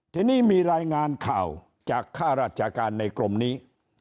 ทีนี้มีรายงานข่าวจากค่าราชการในกรมนี้